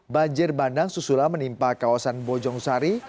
banjir bandang susulan menimpa kawasan bojong sari